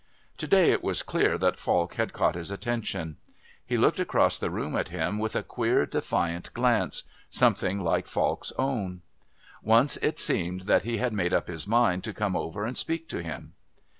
To day it was clear that Falk had caught his attention. He looked across the room at him with a queer defiant glance, something like Falk's own. Once it seemed that he had made up his mind to come over and speak to him.